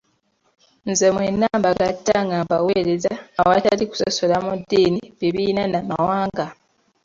Nze mwenna mbagatta nga mbaweereza awatali kusosola mu ddiini, bibiina n'amawanga.